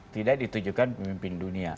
tidak ditujukan pemimpin dunia